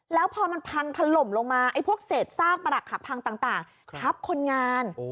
แล้วพอมันพังถล่มลงมาไอ้พวกเศรษฐ์สร้างปรากฏพังต่างครับคนงาน